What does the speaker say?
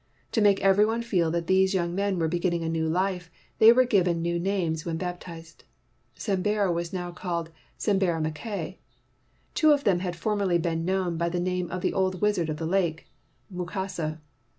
To make every one feel that these young men were beginning a new life, they were given new names when baptized. Sembera was now called Sembera Mackay. Two of them had formerly been known by the name of the old wizard of the lake, Mu kasa.